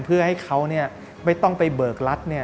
เพื่อให้เขาไม่ต้องไปเบิกรัฐเนี่ย